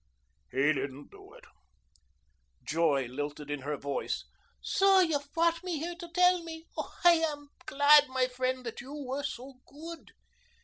He didn't do it." Joy lilted in her voice. "So you've brought me here to tell me. Oh, I am glad, my friend, that you were so good.